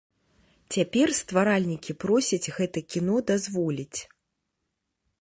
Цяпер стваральнікі просяць гэта кіно дазволіць.